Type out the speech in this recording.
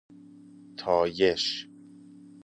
طایش